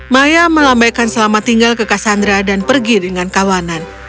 maya melambaikan selamat tinggal ke cassandra dan pergi dengan kawanan